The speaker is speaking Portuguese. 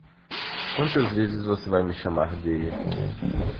Quantas vezes você vai me chamar de?